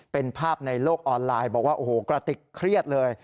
เป็นภาพในโลกออนไลน์บอกว่าโอ้โหกระติกเครียดเลย